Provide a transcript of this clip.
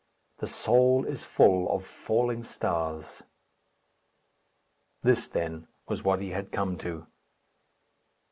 The soul is full of falling stars. This, then, was what he had come to.